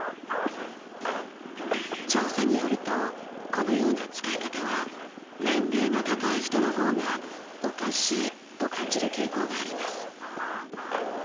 調査によるとこのような使い方は年齢の高い人の方がおかしいと感じる傾向があります。